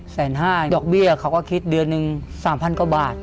๑๕๐๐๐๐เดาะเบี้ยเขาก็คิดเดือนนึง๓๐๐๐กว่าบาท